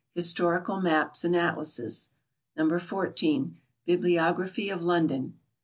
Historical Maps and Atlases. No. 14. Bibliography of London.